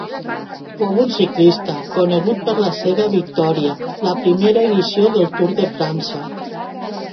Fou un ciclista, conegut per la seva victòria la primera edició del Tour de França.